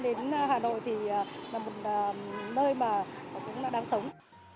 đến hà nội thì là một nơi mà cũng đang sống